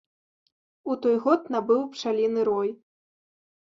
У той год набыў пчаліны рой.